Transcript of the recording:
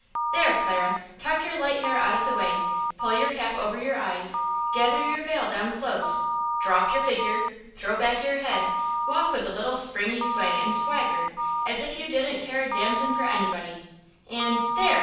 "There, Clara! tuck your light hair out of the way; pull your cap over your eyes; gather your veil down close; draw up your figure; throw back your head; walk with a little springy sway and swagger, as if you didn't care a damson for anybody, and–there!